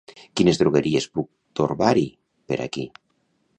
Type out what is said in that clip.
Quines drogueries puc torbar-hi per aquí?